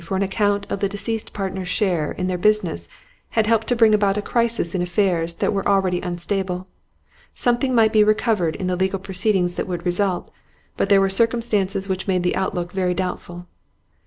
for an account of the deceased partner's share in their business had helped to bring about a crisis in affairs that were already unstable. Something might be recovered in the legal proceedings that would result, but there were circumstances which made the outlook very doubtful.